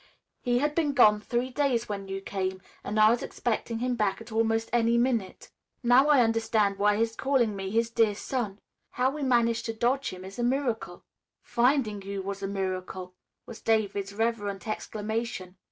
"He had been gone three days when you came and I was expecting him back at almost any minute. Now I understand why he called me his dear son. How we managed to dodge him is a miracle." "Finding you was a miracle!" was David's reverent exclamation.